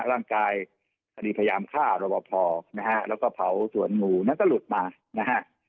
ร่างกายคดีพยายามฆ่ารบพอนะฮะแล้วก็เผาสวนงูนั้นก็หลุดมานะฮะ